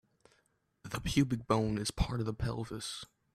The pubic bone is part of the pelvis.